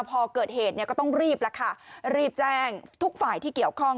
พอเกิดเหตุเนี่ยก็ต้องรีบแล้วค่ะรีบแจ้งทุกฝ่ายที่เกี่ยวข้อง